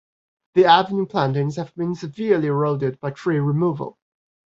The avenue plantings have been severely eroded by tree removal.